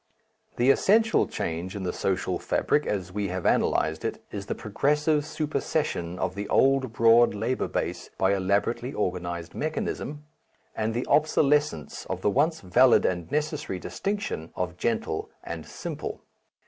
The essential change in the social fabric, as we have analyzed it, is the progressive supersession of the old broad labour base by elaborately organized mechanism, and the obsolescence of the once valid and necessary distinction of gentle and simple.